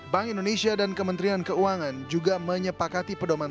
bank indonesia dan kementerian keuangan juga menyepakati pedoman